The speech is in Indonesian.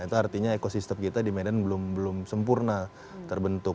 itu artinya ekosistem kita di medan belum sempurna terbentuk